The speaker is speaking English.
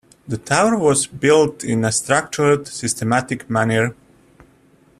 The tower was built in a structured, systematic manner.